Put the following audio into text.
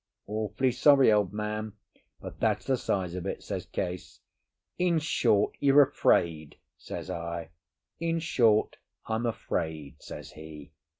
"Awfully sorry, old man, but that's the size of it," says Case. "In short, you're afraid?" says I. "In short, I'm afraid," says he.